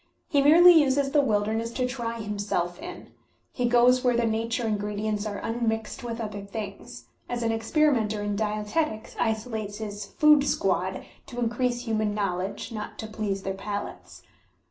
He merely uses the wilderness to try himself in; he goes where the nature ingredients are unmixed with other things, as an experi menter in dietetics isolates his "food squad" to increase human knowledge, not to please their palates.